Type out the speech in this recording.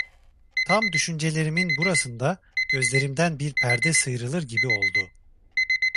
Tam düşüncelerimin burasında gözlerimden bir perde sıyrılır gibi oldu.